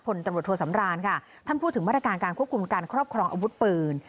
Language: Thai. ตำรวจโทสำรานค่ะท่านพูดถึงมาตรการการควบคุมการครอบครองอาวุธปืน